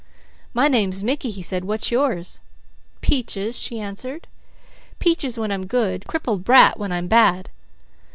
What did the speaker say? "My name's Mickey," he said. "What's your?" "Peaches," she answered. "Peaches, when I'm good. Crippled brat, when I'm bad."